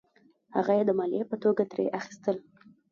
هغه یې د مالیې په توګه ترې اخیستل.